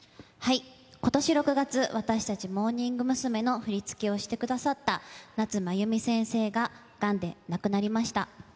ことし６月、私たちモーニング娘。の振り付けをしてくださった夏まゆみ先生ががんで亡くなりました。